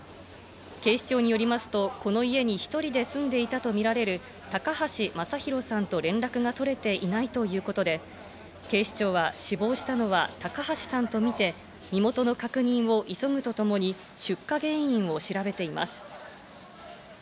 警視庁によりますと、この家に１人で住んでいたとみられる高橋昌宏さんと連絡が取れていないということで、警視庁は死亡したのは高橋さんと見て、身元の確認を急ぐとともに出火原因を調べています。